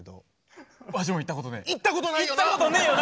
行ったことないよな！